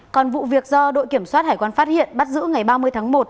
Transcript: còn vụ việc do đội kiểm soát hải quan phát hiện bắt giữ ngày ba mươi tháng một